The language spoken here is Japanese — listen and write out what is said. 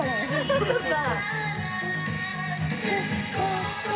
そっか！